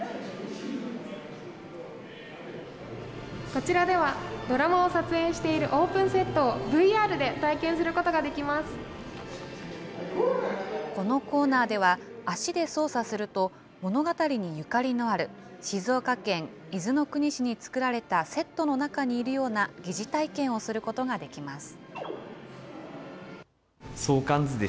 こちらでは、ドラマを撮影しているオープンセットをＶＲで体験することができこのコーナーでは、足で操作すると、物語にゆかりのある静岡県伊豆の国市に作られたセットの中にいるような疑似体験をすることができます。